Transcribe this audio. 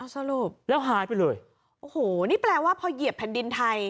สรุปแล้วหายไปเลยโอ้โหนี่แปลว่าพอเหยียบแผ่นดินไทย